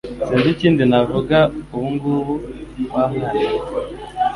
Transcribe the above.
Sinzi ikindi navuga ubungubu w’amwana we